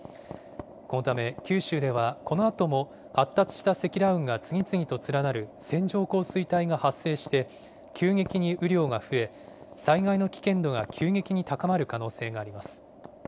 このため九州では、このあとも発達した積乱雲が次々と連なる線状降水帯が発生して、急激に雨量が増え、災害の危険度が急激に高まる可能性があります。